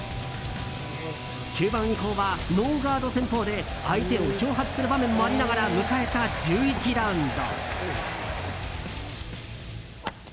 中盤以降はノーガード戦法で相手を挑発する場面もありながら迎えた１１ラウンド。